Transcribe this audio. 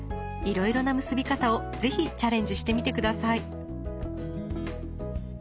いろいろな結び方を是非チャレンジしてみて下さい。